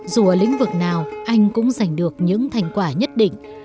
dù ở lĩnh vực nào anh cũng giành được những thành quả nhất định